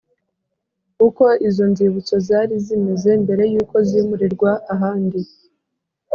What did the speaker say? Uko izo nzibutso zari zimeze mbere y uko zimurirwa ahandi